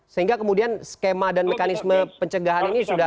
sehingga kemudian skema dan mekanisme pencegahan ini sudah ada